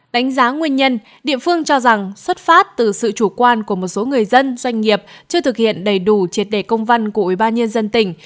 đánh giá nguyên nhân địa phương cho rằng xuất phát từ sự chủ quan của một số người dân doanh nghiệp chưa thực hiện đầy đủ triệt đề công văn của ubnd tỉnh